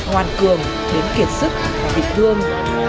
hoàn cường đến kiệt sức địch thương